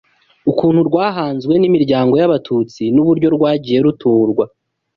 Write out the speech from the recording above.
ukuntu rwahanzwe n’imiryango y’abatutsi n’uburyo rwagiye ruturwa